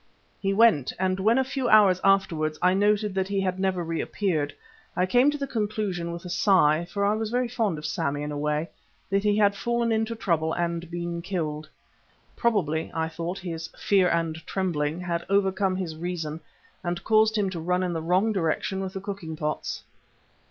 He went and when a few hours afterwards I noted that he had never reappeared, I came to the conclusion, with a sigh, for I was very fond of Sammy in a way, that he had fallen into trouble and been killed. Probably, I thought, "his fear and trembling" had overcome his reason and caused him to run in the wrong direction with the cooking pots.